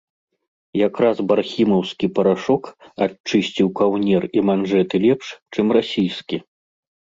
Якраз бархімаўскі парашок адчысціў каўнер і манжэты лепш, чым расійскі.